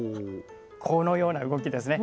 このような動きですね。